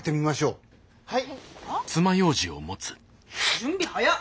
準備早っ。